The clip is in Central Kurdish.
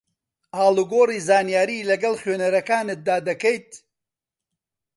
ئاڵوگۆڕی زانیاری لەگەڵ خوێنەرەکانتدا دەکەیت